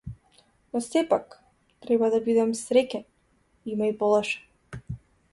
Но сепак, треба да бидам среќен, има и полошо.